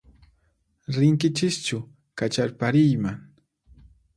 Rinkichischu kacharpariyman?